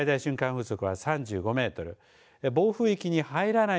風速は３５メートル暴風域に入らない